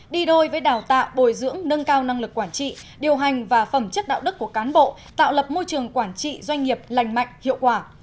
đi đôi với đào tạo bồi dưỡng nâng cao năng lực quản trị điều hành và phẩm chất đạo đức của cán bộ tạo lập môi trường quản trị doanh nghiệp lành mạnh hiệu quả